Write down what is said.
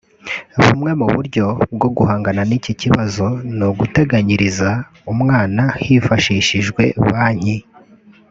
Bumwe mu buryo bwo guhangana n’iki kibazo ni uguteganyiriza umwana hifashishijwe banki